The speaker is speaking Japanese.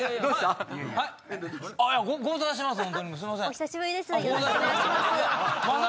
お久しぶりですお願いします。